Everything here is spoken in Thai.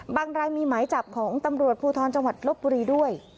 รายมีหมายจับของตำรวจภูทรจังหวัดลบบุรีด้วย